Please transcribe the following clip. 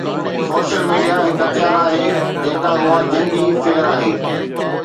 Social media هڪ هٿيار آهي جيڪڏهن اها جنگي فيئر آهي.